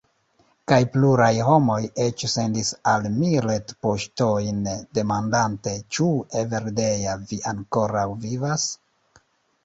Kaj pluraj homoj eĉ sendis al mi retpoŝtojn, demandante: ĉu, Evildea, vi ankoraŭ vivas?